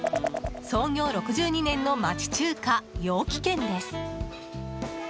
創業６２年の町中華、陽気軒です。